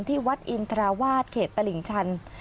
ที่วัดอินทราวาสเขตตลิ่งชัน